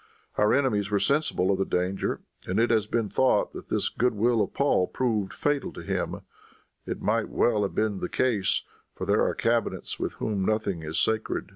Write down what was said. Our enemies were sensible of the danger, and it has been thought that this good will of Paul proved fatal to him, It might well have been the case, for there are cabinets with whom nothing is sacred."